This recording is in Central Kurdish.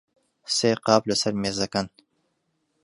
سێ قاپ لەسەر مێزەکەن.